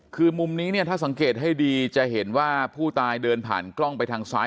คือมุมนี้เนี่ยถ้าสังเกตให้ดีจะเห็นว่าผู้ตายเดินผ่านกล้องไปทางซ้าย